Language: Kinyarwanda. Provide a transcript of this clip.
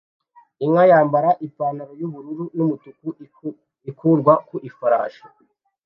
Inka yambara ipantaro yubururu n umutuku ikurwa ku ifarashi